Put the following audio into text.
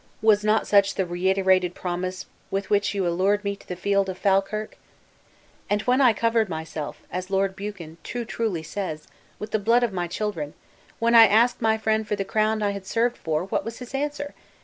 Was not such the reiterated promise by which you allured me to the field of Falkirk? And when I had covered myself, as Lord Buchan too truly says, with the blood of my children; when I asked my friend for the crown I had served for, what was his answer?